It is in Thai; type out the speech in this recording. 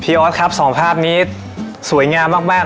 ออสครับสองภาพนี้สวยงามมาก